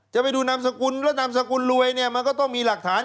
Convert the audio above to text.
จะไปดูนามสกุลแล้วนามสกุลรวยเนี่ยมันก็ต้องมีหลักฐาน